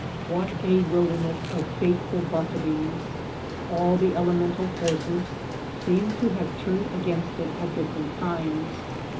What a wilderness of fateful buffetings I All the elemental forces seem to have turned against it at different times.